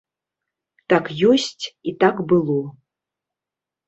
Так ёсць і так было.